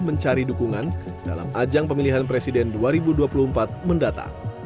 mencari dukungan dalam ajang pemilihan presiden dua ribu dua puluh empat mendatang